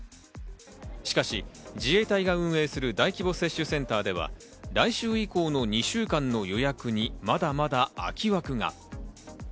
しかし、自衛隊が運営する大規模接種センターでは、来週以降の２週間の予約にまだまだ空き枠が。